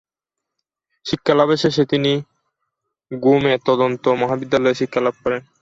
শিক্ষালাভের শেষে তিনি গ্যুমে তন্ত্র মহাবিদ্যালয়ে শিক্ষালাভ করেন।